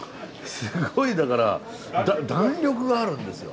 すごいだから弾力があるんですよ。